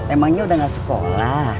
emangnya udah gak sekolah